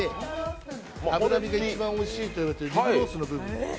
脂身が一番おいしいと言われているリブロースの部分。